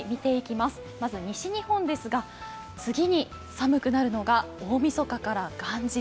まず西日本ですが、次に寒くなるのが大みそかから元日。